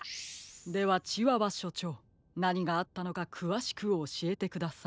ではチワワしょちょうなにがあったのかくわしくおしえてください。